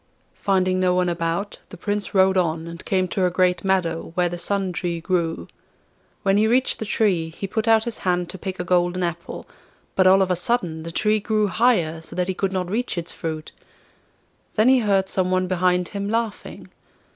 Finding no one about, the Prince rode on, and came to a great meadow, where the Sun Tree grew. When he reached the tree he put out his hand to pick a golden apple; but all of a sudden the tree grew higher, so that he could not reach its fruit. Then he heard some one behind him laughing.